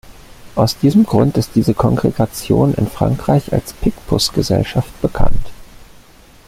Aus diesem Grund ist diese Kongregation in Frankreich als "Picpus-Gesellschaft" bekannt.